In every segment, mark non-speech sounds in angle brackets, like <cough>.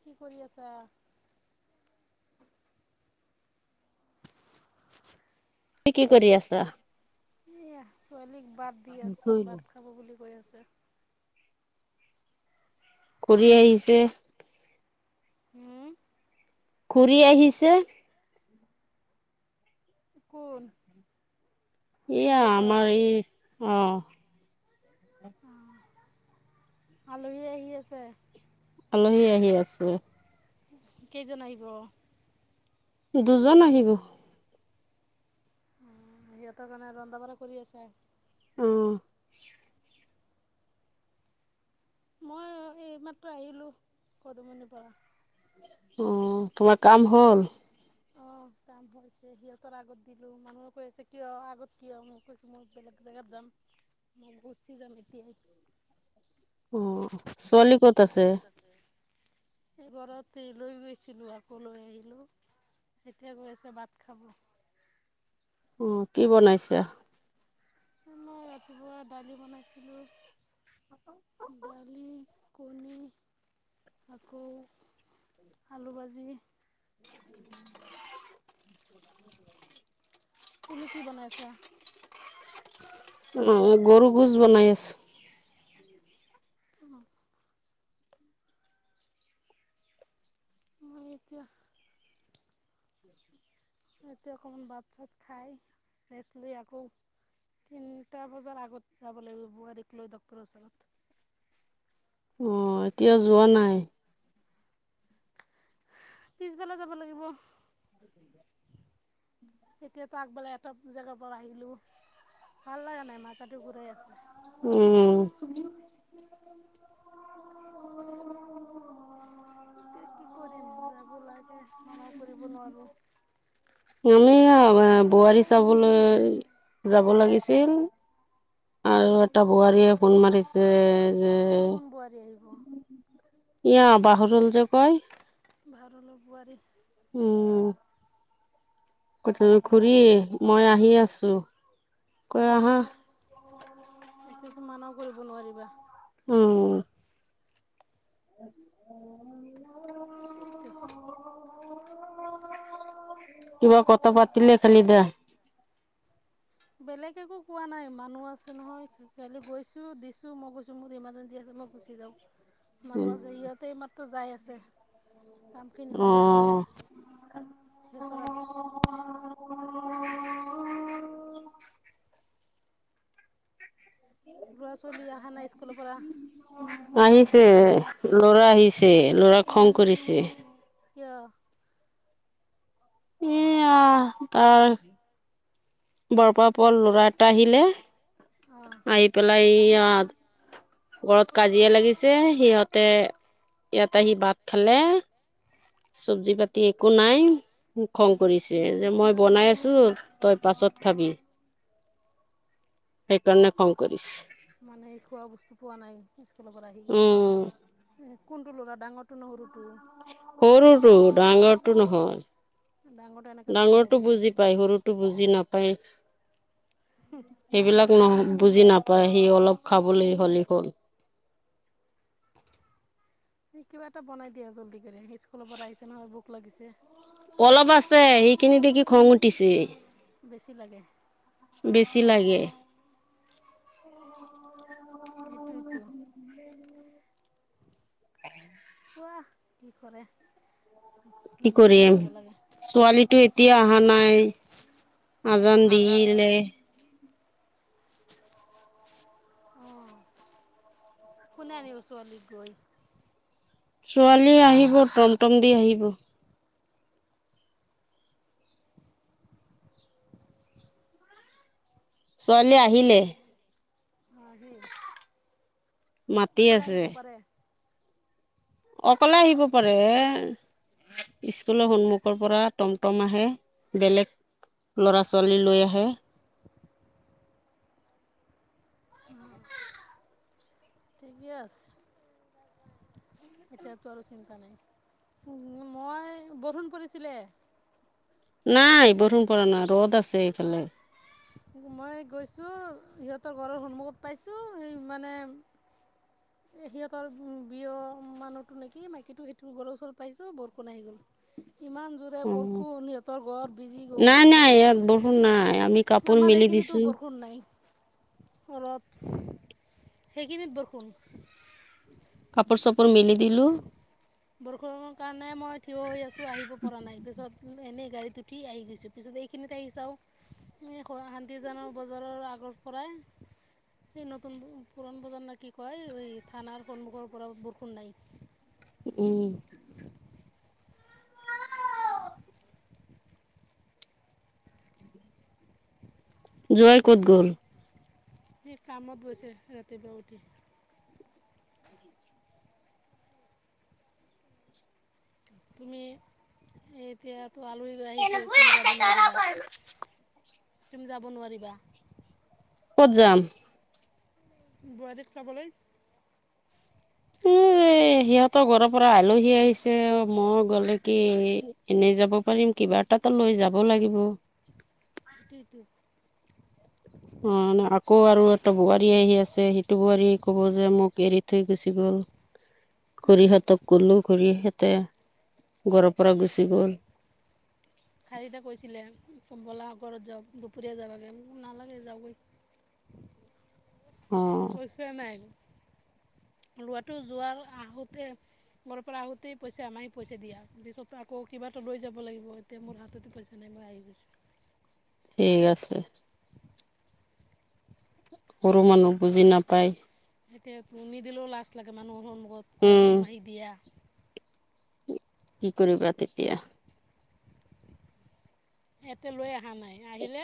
<inaudible> <inaudible> তুমি কি কৰি আছা? এয়া ছোৱালীক ভাত দি আছো ভাত খাব বুলি কৈ আছে। কৰি আহিছে। হুম। ঘূৰি আহিছে। ক'ল। এয়া আমাৰ এই অঁ',। অ', আলহী আহি আছে। আলহী আহি আছে। কেইজন আহিব? দুজন আহিব। উম, সিহঁতৰ কাৰণে ৰন্ধা-বঢ়া কৰি আছে আৰু। অঁহ। মই এই মাত্ৰ আহিলোঁ কদুমণিৰ পৰা। উমঁ, তোমাৰ কাম হ'ল? অঁ, কাম হৈছে সিহঁতৰ আগত দিলো, মানুহে কৈ আছে কিয় আগত কিয়, মই কৈছো মই বেলেগ জেগাত যাম। মই ঘুচি যাম এতিয়াই। অ' ছোৱালী ক'ত আছে? এই গৰাতে লৈ গৈছিলো, আকৌ লৈ আহিলো। সেইতিয়া গৈ আছে ভাত খাব। অ', কি বনাইছা? মই ৰাতিপুৱা দালি বনাইছিলোঁ। ডালি, কণী। আকৌ আলু ভাজি। <unintelligible> <unintelligible> তুমি কি বনাইছা? অঁহ', গৰু ভুজ বনাই আছো। অঁ। সেইটোৱে। সিহঁতে অকমান বাত চাত খাই ৰেষ্ট লৈ আকৌ তিনটা বজাৰ আগত যাব লাগিব বোৱাৰাৰীক লৈ ডক্টৰৰ ওচৰত। অ' এতিয়া যোৱা নাই? পিছবেলা যাব লাগিব। এতিয়াতো আগবলে এটা জেগাৰ পৰা আহিলো, ভাল লগা নাই মাত তাটো ঘূৰাই আছে। উম, তে কি কৰিম যাব লাগে মানহ কৰিব নোৱাৰো। অ' বোৱাৰী চাবলৈ যাব লাগিছিল। আৰু এটা বোৱাৰীয়ে ফোন মাৰিছে। যে, এইটো কোন বোৱাৰী আহিব ই বাহৰল যে কয়। ভাদলপ বোৱাৰী। কথানো খুৰী মই আহি আছো, কৈ আহা। এতিয়া তো মানাও কৰিব নোৱাৰিবা। উম। <unintelligible> এইটোৱেটো। কিবা কথা পাতিলে খালি দেহ। বেলেগ একো কোৱা নাই মানুহ আছে নহয়, খালি গৈছো দিছো মই গৈছো মোৰ ইমাৰ্জেঞ্চি আছে মই গুচি যাওঁ, মানুহ আছে সিহঁতে মাত্ৰ যাই আছে। কামখিনি অ হৈ আছে, সিহঁতৰ আৰু <unintelligible> অ ল'ৰা চোৱলি আহা নাই স্কুল পৰা? তে লৰা আহিছে, লৰা খং কৰিছে। কিয়? এ আহ ত বৰপ প ল'ৰা এটা আহিলে, অঁ আহি পেলাই ইয়াত ঘৰত কাজিয়া লাগিছে, সিহঁতে ইয়াতে আহি ভাত খালে। চবজি পাতি একো নাই খং কৰিছে যে মই বনাই আছো তই পাছত কত খাবি? সেইকাৰণে খং কৰিছে মানে খোৱা বস্তু পোৱা নাই স্কুলৰ পৰা আহি। উম কোনটো ল'ৰা ডাঙৰটো নে সৰুটো? সৰুটো, ডাঙৰটো নহয়। ডাঙৰটো এনেকৈ নকৰে ডাঙৰটো বুজি পায় পাই সৰুটো বুজি নাপায়। এইবিলাক নহ বুজি নাপায় সি অলপ খাবলৈ হলি হল। কিবা এটা বনাই দিয়া জল্দি কৰি, স্কুলৰ পৰা আহিছে ন' বুক লাগিছে। অলপ আছে সেইখিনি দেখি খং উঠিছে বেছি লাগে বেছি লাগে <unintelligible> এটো এটো <unintelligible> চোৱা কি কৰে কি মিলি জুলি কৰিম খাব লাগে ছোৱালী টোৱে এতিয়া অহা নাই আজান দি নাজানো। লে। অ' কোনে আনিব চোৱালি গৈ? ছোৱালী আহিব টমটম দি আহিব। ছোৱালী আহিলে। আহি মাতি অকলে আছে। আহিব পাৰে অকলে আহিব পাৰে। স্কুলৰ সন্মুখৰ পৰা টমটম আহে, বেলেগ লৰা ছোৱালী লৈ আহে <unintelligible> ঠিকে আছে এতিয়াতো আৰু চিন্তা নাই মই বৰুণ পৰিছিলে নাই বৰণ প নাই ৰ'দ আছে এইফালে মই গৈছো সিহঁতৰ ঘৰৰ সন্মুখত পাইছো সেই মানে এ সিহঁতৰ উ বিয় মানুহতটো নেকি মাকী সেইটোৰ গৰ ওচৰ পাইছো বৰ কুণ আহি গ'ল <inaudible> ইমান জোৰে অ বৰষু সিহঁতৰ ঘৰত বিজি গৈ গ'ল নাই নাই এনেকৈ ইয়াত বৰষু বৰষুণ নাই আমি নথ কাপোৰ আমাৰ মেলি এইখিনিতো দিছো বৰষুণ নাই অ সেই কিম বাৰখোন কাপোৰ চাপোৰ মেলি দিলো ানে মই থিয় হৈ আছো আহিব পৰা নাই তিছত এনে গাড়ীত উঠি আহি গৈছো পিছত এইখিনিতে আহিছাও শান্তিজক বজাৰৰ আগৰ পৰাই এই নতুন পুৰণ প্ৰজন কি কয় থানাৰ সন্মুখৰ পৰা বৰষুণ নাই উম জয় ক'ত গ'ল সেই কামত গৈছে ৰাতিপুৱা উঠি তুমি এতিয়া ত আলহী আহিছে তুমি যাব নোৱাৰিবা তুম যাব নোৱাৰিবা ক'ত যাম বোৱাৰী চাবলৈ উম উ এ সিহঁতৰ ঘৰৰ পৰা আলহী আহিছে অ মই গ'লে কি এনেই যাব পাৰিম কিবা কিবা এটাতো লৈ যাব লাগিব ৰিটউ অ মে আকৌ আৰু এটা বোৱাৰী আহি আছে সেইটো বোৱাৰীয়ে কব যে মোক এৰি থৈ গুচি গ'ল ঘুৰিহঁতক গলো ঘৰিহঁত তে গৰ পৰাৰা গুচি গ'ল খাৰিদে কৈছিলে বলা ঘৰত যাওঁ দুপৰীয়া যাবাগৈ নালাগে যাবৈ পইচা নাই উ লোৱাটো যোৱাৰ আহোতে ঘৰ পৰা আহোতেই পইচা আমাৰ পইচা দিয়া পিছত আকৌ কিবা লৈ যাব লাগিব এতিয়া মোৰ হাততো পইচা নাই মই আহি গৈছো ঠিক আছে সৰু মানুহ বুজি নাপায় এতিয়াৰ নিদিলেও লাজ লাগে মানুহৰ সন্মখত কৈ উম, মাহি দিয়া কি কৰিবা তেতিয়া ইয়াতে লৈ অহা নাই আহিলে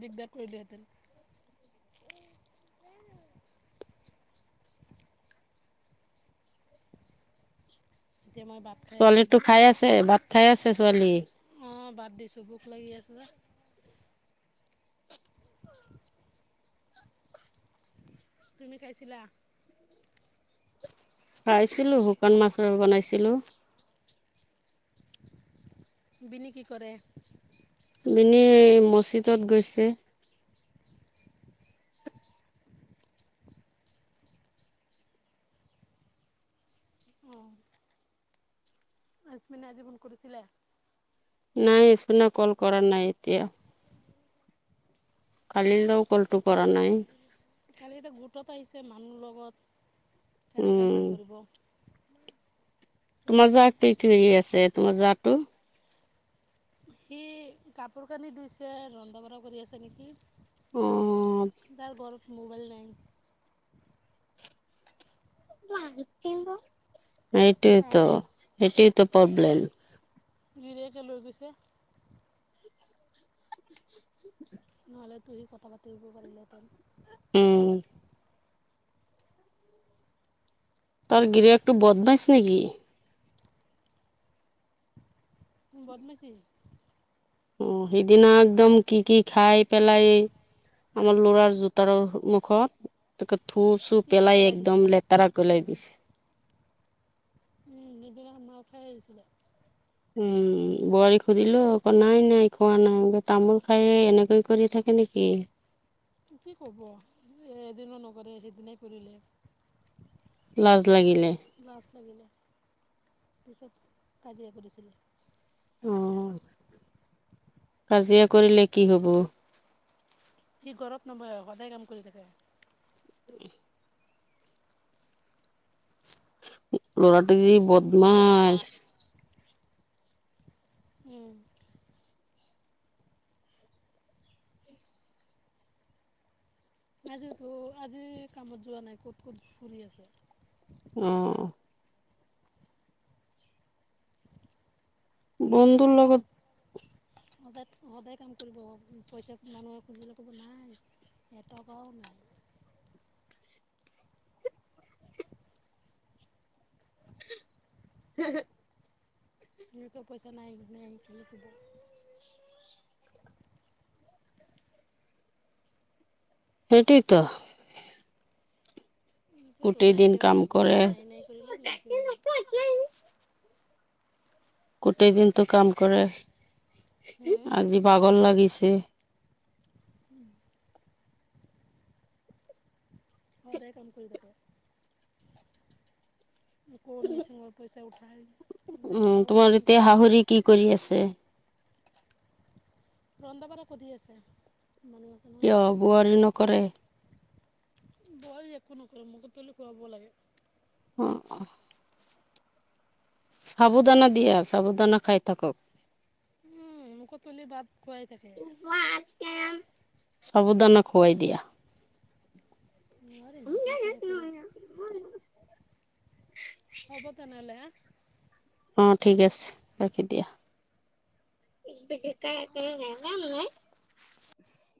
দিগদাৰ কৰিলোহেঁতেন <unintelligible> এতিয়া মই ভাত খাই আছোঁ ছোৱালীটো ভোক খাই লাগিছে আছে ভাত খাই আছে ছোৱালী অঁ ভাত দিছোঁ ভোক লাগি আছে ন তুমি খাইছিলিলা খাইছিলো শুকান মাছৰ বনাইছিলোঁ বিনিকি কৰেৰে মনেই মছজিদত গৈছে আজ্মিন আজীৱন কৰিছিলে নাইছুনা কল কৰা নাই এতিয়া কাল ত কলটো কৰা নাই খালি এয়া গুৰুতত আহিছে মানুহ লগত তেনেকৈ কল উম। কৰিব তোমাৰ জাতটো কি আছে তোমাৰ জাতটো সি কাপোৰ কানি ধুইছে ৰন্ধা বঢ়া কৰি আছে নেকি অ' তাৰ বৰফ মোবাইল নাই এইটোৱতো সটো প্ৰব্লেল গিৰিয়াকে লৈ গৈছে নহলে তু সি কথা পাতি আগ পাৰিলেতেন উ তাৰ গিৰিয়েক টো বদমাছ নেকি বদমাচি অ সেইদিনা একদম কি কি খাই পেলাই আমাৰ লৰাৰ জোতাৰ মুখত এক থু চু পিক পেলাই একদম দিছিলে লেতেৰা কৰিলাই দিছে উমদৰে আমখাই কছিলিলে উম বোৱাৰী সুধিলো আকৌ নাই নাই খোৱা নাই তামোল খাই এনেকৈ কৰি থাকে নেকি কি কব এ এদিনো নকৰে সেইদিনাই কৰিলে লাজ লাগিলে লাজ লাগিলে পিছত কাজিয়া কৰিছিলে অ কাজিয়া কৰিলে কি হ'ব। সি ঘৰত নবহে সদায় কাম কৰি থাকে। ল'ৰাটো যি বদমাছ। উম। আজিতো আজি কামত যোৱা নাই ক'ত ক'ত ফুৰি আছে। অহ। বন্ধুৰ সদায় কাম লগত। সদায় সদায় কাম কৰিব পইচা মানুহে খুজিলে ক'ব নাই, এটকাও। নাই <inaudible> হে হে নিজৰ পইচা নাই নাই খেলে ক'ব। সেইটোৱেত সেইটোৱেত নাইকিয়া হৈ কাম যাব কৰে বেছি নাই নাই কৰিলে নাইকিয়া হৈ যাব। গোটেই দিনটো কাম কৰে হুম, আজি বাগল লাগিছে। উম। সদায় কাম কৰি থাকে, কৌত মিচিং পইচ দে উঠাই বেলেগ উম আউট তোমাৰ কাম এতিয়া কৰে হাহৰি কি কৰি আছে? ৰন্ধা পঢ়া কধি আছে। মানুহ আছে নহয় কিয় বোৱাৰী নকৰে? বোৱাৰী একো নকৰে মোক তুলি খুৱাব লাগে। অ অ। সাবুদানা দিয়া সাবুদানা খাই থাকক। উম মুখ তুলি ভাত খোৱাই থাকে সাবুধানে খুৱাই দিয়া নোৱাৰিম যি কৰে কৰোঁ <inaudible> হ'ব তেনে হলে সা অ ঠিক আছে ৰাখি দিয়া বে কাই কাই নাই নম নাই